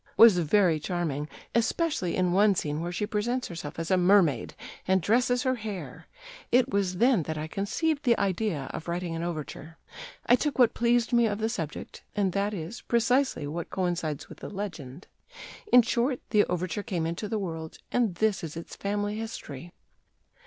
was very charming, especially in one scene where she presents herself as a mermaid and dresses her hair; it was then that I conceived the idea of writing an overture.... I took what pleased me of the subject (and that is, precisely what coincides with the legend). In short, the overture came into the world, and this is its family history."